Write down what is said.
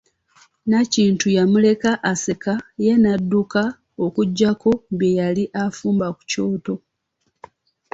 Nakitto yamuleka aseka ye n'adduka okuggyako bye yali afumba ku kyoto.